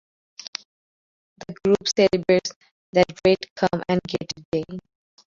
The group celebrates "That Great Come-and-get-it Day".